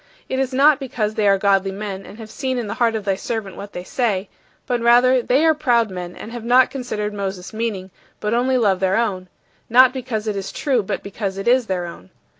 It is not because they are godly men and have seen in the heart of thy servant what they say, but rather they are proud men and have not considered Moses' meaning, but only love their own not because it is true but because it is their own.